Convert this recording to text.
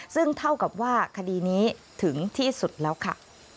ซึ่งเท่ากับว่าคดีนี้ถึงที่สุดแล้วค่ะ